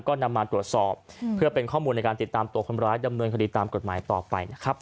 ก็นำมาตรวจสอบเพื่อเป็นข้อมูลในการติดตามตัวคนร้ายดำเนินคดีตามกฎหมายต่อไปนะครับ